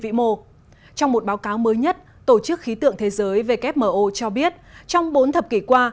vĩ mô trong một báo cáo mới nhất tổ chức khí tượng thế giới cho biết trong bốn thập kỷ qua